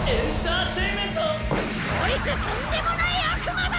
コイツとんでもない悪魔だ！